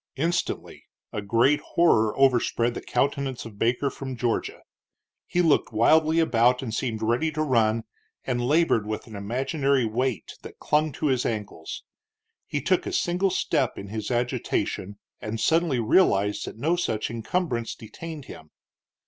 Instantly a great horror overspread the countenance of Baker from Georgia. He looked wildly about and seemed ready to run, and labored with an imaginary weight that clung to his ankles. He took a single step in his agitation, and suddenly realized that no such encumbrance detained him.